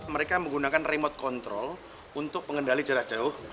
mereka menggunakan remote control untuk pengendali jarak jauh